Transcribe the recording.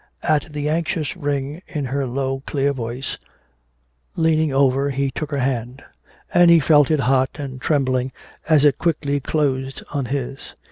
At the anxious ring in her low clear voice, leaning over he took her hand; and he felt it hot and trembling as it quickly closed on his.